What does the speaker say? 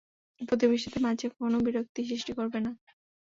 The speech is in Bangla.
প্রতিবেশীদের মাঝে কোনো বিরক্তি সৃষ্টি করবে না।